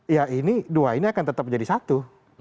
ya ini dua ini akan tetap jadi satu